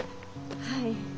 はい。